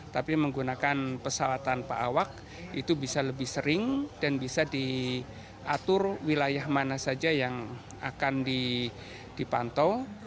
tapi menggunakan pesawat tanpa awak itu bisa lebih sering dan bisa diatur wilayah mana saja yang akan dipantau